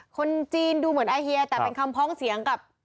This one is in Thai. คนจีนดูเหมือนอาเฮียแต่เป็นคำพ้องเสียงกับ